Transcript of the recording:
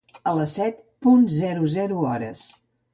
A les setze punt zero zero hores.